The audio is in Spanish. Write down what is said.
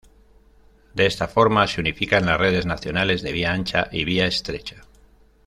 De esta forma se unifican las redes nacionales de vía ancha y vía estrecha.